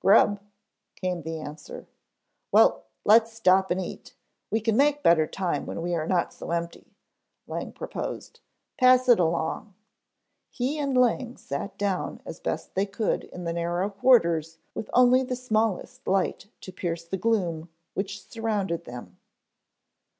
"Grub," came the answer. "Well, let's stop and eat. We can make better time when we are not so empty," Lang proposed. "Pass it along." He and Lang sat down as best they could in the narrow quarters with only the smallest light to pierce the gloom which surrounded them.